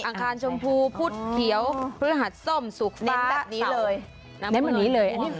อางคารชมพูพุทรเขียวพื้นหัดส้มสุขฟ้าเหน็นแบบนี้เลย